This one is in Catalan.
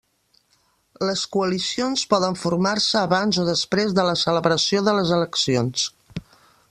Les coalicions poden formar-se abans o després de la celebració de les eleccions.